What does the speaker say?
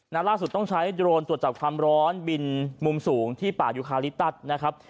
ล่าสุดต้องใช้โดรนตรวจจับความร้อนบินมุมสูงที่ป่ายุคาลิตัสนะครับ